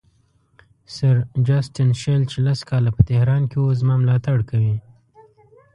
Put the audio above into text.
سر جوسټین شیل چې لس کاله په تهران کې وو زما ملاتړ کوي.